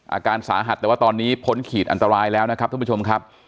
อาการสาหัสแต่ว่าตอนนี้พ้นขีดอันตรายแล้วนะครับท่านผู้ชมครับ